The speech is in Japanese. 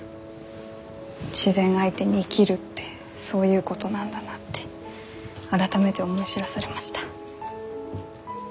自然相手に生きるってそういうことなんだなって改めて思い知らされました。